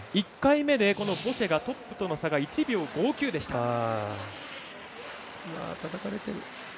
１回目でこのボシェがトップとの差が１秒５９でした。